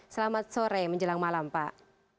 selamat sore menjelang malam pak